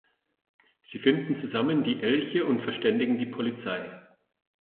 Sie finden zusammen die Elche und verständigen die Polizei.